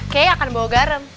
kei akan bawa garam